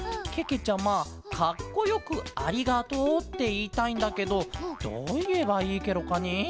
ちゃまかっこよく「ありがとう」っていいたいんだけどどういえばいいケロかねえ？